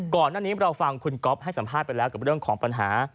ก่อนหน้านี้เราฟังคุณก๊อฟให้สัมภาษณ์ไปแล้วกับเรื่องของปัญหา